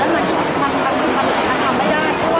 มีการลงทะเบียนใหม่เนี่ยมันติดแล้ว